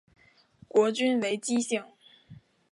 国君为姬姓。